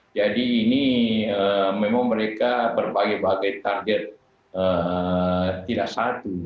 jadi ini memang mereka berbagai bagai target tidak satu